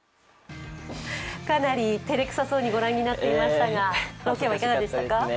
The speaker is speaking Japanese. かなり照れくさそうに御覧になっていましたが、ロケはいかがでしたか？